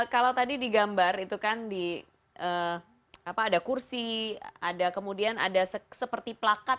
kalau tadi digambar itu kan ada kursi ada kemudian ada seperti plakat